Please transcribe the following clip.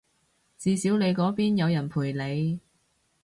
至少你嗰邊有人陪你